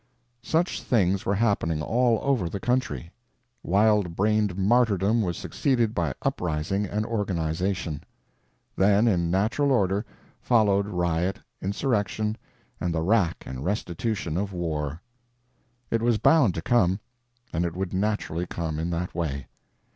Such things were happening all over the country. Wild brained martyrdom was succeeded by uprising and organization. Then, in natural order, followed riot, insurrection, and the wrack and restitutions of war. It was bound to come, and it would naturally come in that way.